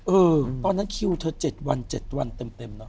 เออตอนนั้นคิวเธอเจ็ดวันเจ็ดวันเต็มเนอะ